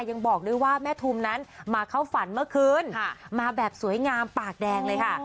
ยังบอกด้วยว่าแม่ทุมนั้นมาเข้าฝันเมื่อคืนมาแบบสวยงามปากแดงเลยค่ะ